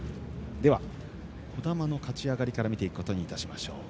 では、児玉の勝ち上がりから見ていくことにしましょう。